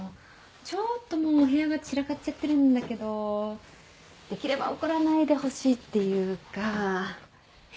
ちょっともうお部屋が散らかっちゃってるんだけどできれば怒らないでほしいっていうか。